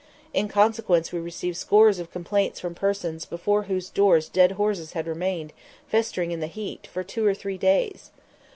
In consequence we received scores of complaints from persons before whose doors dead horses had remained, festering in the heat, for two or three days.